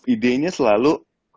ide nya selalu